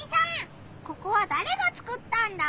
ここはだれがつくったんだ？